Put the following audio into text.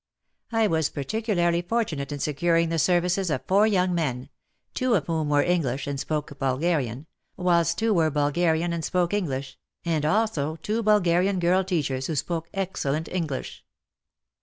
I was particularly fortunate in securing the services of four young men, two of whom were English and spoke Bulgarian, whilst two were Bulgarian and spoke English, and also two Bulgarian girl teachers who spoke excellent English.